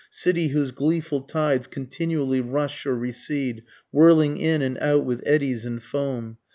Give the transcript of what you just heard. City whose gleeful tides continually rush or recede, whirling in and out with eddies and foam!